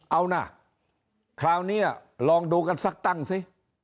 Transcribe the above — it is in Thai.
เอานะคราวนี้ลองดูกันสักตั้งสิ